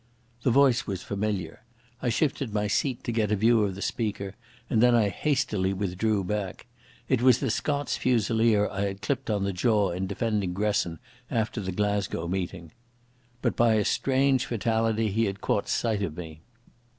The voice was familiar. I shifted my seat to get a view of the speaker, and then I hastily drew back. It was the Scots Fusilier I had clipped on the jaw in defending Gresson after the Glasgow meeting. But by a strange fatality he had caught sight of me.